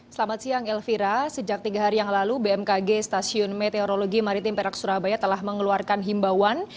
selamat siang elvira sejak tiga hari yang lalu bmkg stasiun meteorologi maritim perak surabaya telah mengeluarkan himbauan